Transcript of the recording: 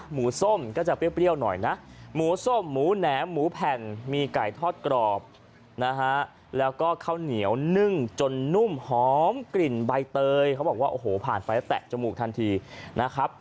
ส้มก็จะเปรี้ยวหน่อยนะหมูส้มหมูแหนมหมูแผ่นมีไก่ทอดกรอบนะฮะแล้วก็ข้าวเหนียวนึ่งจนนุ่มหอมกลิ่นใบเตยเขาบอกว่าโอ้โหผ่านไปแล้วแตะจมูกทันทีนะครับ